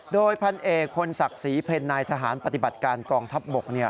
โดยพันเอกพลศักดิ์ศรีเพ็ญนายทหารปฏิบัติการกองทัพบก